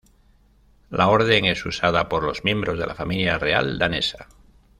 La orden es usada por los miembros de la familia real danesa.